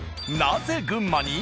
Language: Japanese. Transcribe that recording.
なぜ群馬に？